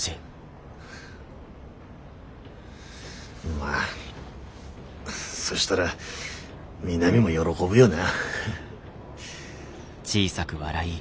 まあそしたら美波も喜ぶよな。